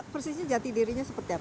persisnya jati dirinya seperti apa